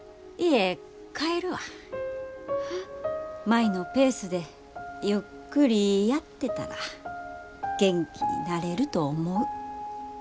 舞のペースでゆっくりやってたら元気になれると思う。